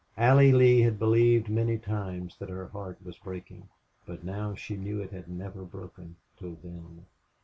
Allie Lee had believed many times that her heart was breaking, but now she knew it had never broken till then.